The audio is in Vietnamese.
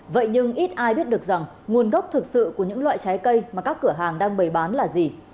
vậy nhưng ít ai biết được rằng nguồn gốc thực sự của những loại trái cây mà các cửa hàng đang bày bán là gì